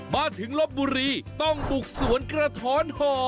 มาถึงลบบุรีต้องบุกสวนกระท้อนห่อ